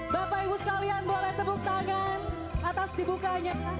bapak ibu sekalian boleh tepuk tangan atas dibukanya